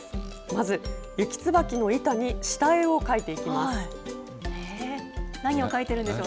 まず、ユキツバキの板に下絵を描いていきます。